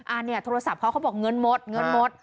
อันนี้โทรศัพท์เขาเขาบอกเงินหมดเงินหมด